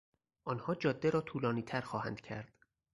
آنها جاده را طولانیتر خواهند کرد.